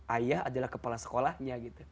ayah adalah kepala sekolahnya